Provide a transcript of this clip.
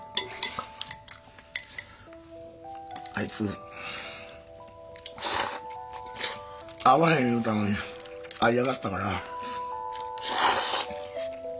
あいつ会わへん言うたのに会いやがったから。